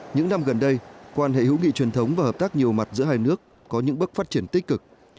những năm gần đây quan hệ hữu nghị truyền thống và hợp tác nhiều mặt giữa hai nước có những bước phát triển tích cực